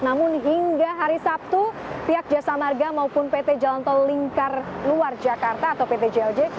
namun hingga hari sabtu pihak jasa marga maupun pt jalan tol lingkar luar jakarta atau ppjlj